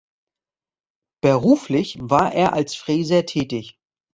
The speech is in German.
Beruflich war er als Fräser tätig.